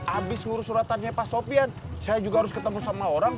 habis ngurus suratannya pak sofian saya juga harus ketemu sama orang